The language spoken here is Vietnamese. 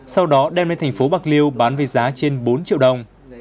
sau đó đem lên thành phố bạc liêu bán về giá trên bốn triệu đồng